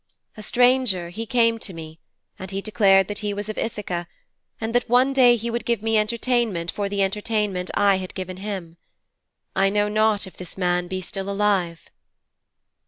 A stranger, he came to me, and he declared that he was of Ithaka, and that one day he would give me entertainment for the entertainment I had given him. I know not if this man be still alive.'